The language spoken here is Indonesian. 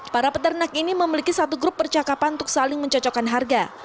para peternak ini memiliki satu grup percakapan untuk saling mencocokkan harga